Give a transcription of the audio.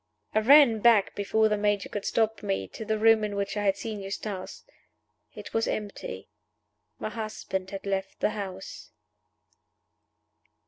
I ran back, before the Major could stop me, to the room in which I had seen Eustace. It was empty. My husband had left the house.